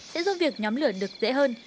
sẽ giúp việc nhóm lửa được dễ hơn